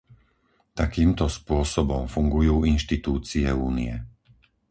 Takýmto spôsobom fungujú inštitúcie Únie.